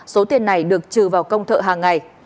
số tiền này được trừ vào công thợ hàng ngày